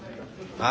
ああ。